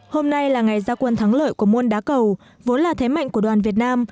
hôm nay là ngày gia quân thắng lợi của môn đá cầu vốn là thế mạnh của đoàn việt nam